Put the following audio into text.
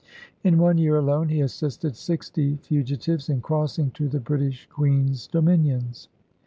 In one year alone, he assisted sixty fugitives in crossing to the British Queen 7 s dominions.